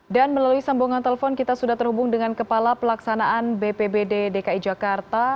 dan melalui sambungan telepon kita sudah terhubung dengan kepala pelaksanaan bpbd dki jakarta